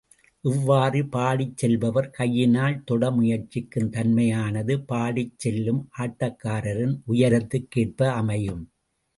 இவ்வாறு பாடிச் செல்பவர் கையினால் தொட முயற்சிக்கும் தன்மையானது, பாடிச் செல்லும் ஆட்டக்காரரின் உயரத்திற்கு ஏற்ப அமையும்.